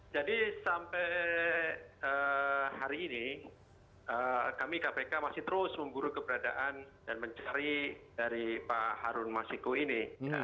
jadi sampai hari ini kami kpk masih terus memburu keberadaan dan mencari dari pak harun masiku ini